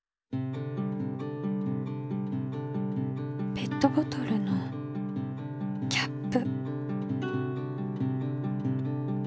ペットボトルのキャップ。